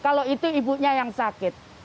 kalau itu ibunya yang sakit